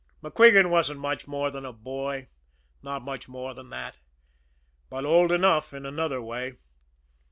MacQuigan wasn't much more than a boy, not much more than that but old enough in another way.